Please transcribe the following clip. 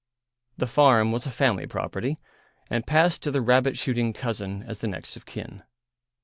The farm was a family property, and passed to the rabbit shooting cousin as the next of kin.